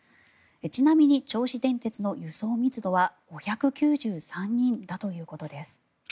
ちなみに銚子電鉄の輸送密度は５９３人だということです。